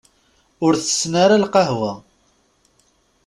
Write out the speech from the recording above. Ur tessen ara lqahwa.